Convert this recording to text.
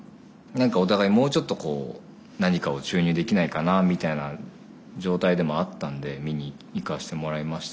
何かお互いもうちょっとこう何かを注入できないかなみたいな状態でもあったんで見に行かせてもらいましたね。